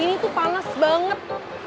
ini tuh panas banget